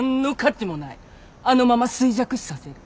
あのまま衰弱死させる。